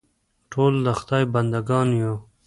ټول د خدای بنده ګان یو.